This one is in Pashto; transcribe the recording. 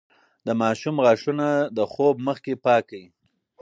د ماشوم غاښونه د خوب مخکې پاک کړئ.